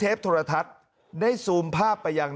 คุณสิริกัญญาบอกว่า๖๔เสียง